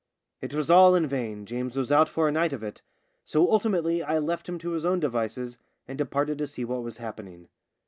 It was all in vain, James was out for a night of it, so ultimately I left him to his own devices and departed to see what was happening.